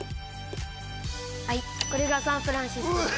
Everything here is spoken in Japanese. はいこれがサンフランシスコです。